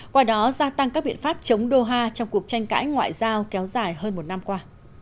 qua đó gia tăng các biện pháp chống doha trong cuộc tranh cãi ngoại giao kéo dài hơn một năm qua